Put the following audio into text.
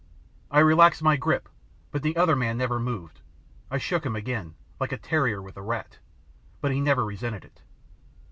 I relaxed my grip, but the other man never moved. I shook him again, like a terrier with a rat, but he never resented it.